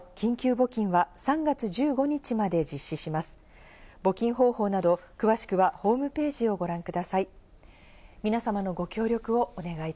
募金方法など詳しくはホームページをご覧ください。